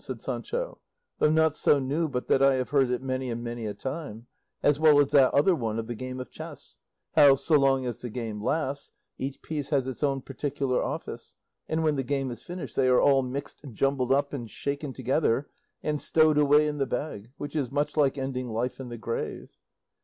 said Sancho; "though not so new but that I have heard it many and many a time, as well as that other one of the game of chess; how, so long as the game lasts, each piece has its own particular office, and when the game is finished they are all mixed, jumbled up and shaken together, and stowed away in the bag, which is much like ending life in the grave."